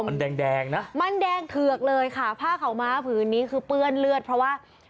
มันแดงแดงนะมันแดงเถือกเลยค่ะผ้าขาวม้าผืนนี้คือเปื้อนเลือดเพราะว่า